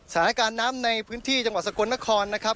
สถานการณ์น้ำในพื้นที่จังหวัดสกลนครนะครับ